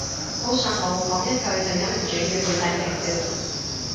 好上腦，講一句就忍唔住要背晒成段